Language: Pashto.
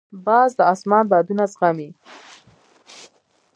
باز د اسمان بادونه زغمي